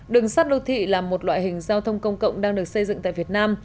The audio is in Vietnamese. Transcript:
đường sắt đô thị là một loại hình giao thông công cộng đang được xây dựng tại việt nam